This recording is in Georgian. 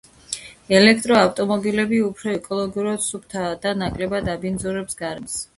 ელექტრო ავტომობილები უფრო ეკოლოგიურად სუფთაა და ნაკლებად აბინძურებს გარემოს.